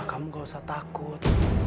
kamu gak usah takut